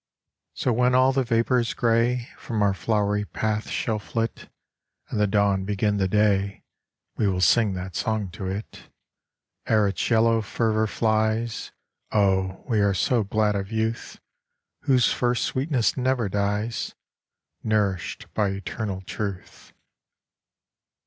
47 So when all the vapours grey From our flowery paths shall flit, And the dawn begin the day, We will sing that song to it Ere its yellow fervour flies. Oh, we are so glad of youth, Whose first sweetness never dies Nourished by eternal truth.